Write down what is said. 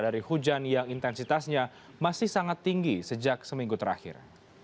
dari hujan yang intensitasnya masih sangat tinggi sejak seminggu terakhir